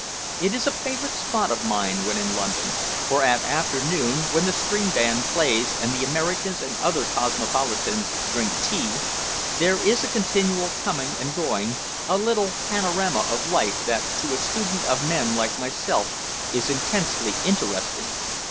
It is a favorite spot of mine when in London, for at afternoon, when the string band plays and the Americans and other cosmopolitans drink tea, there is a continual coming and going, a little panorama of life that to a student of men like myself is intensely interesting.